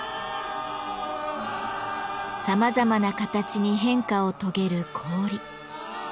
さまざまな形に変化を遂げる氷。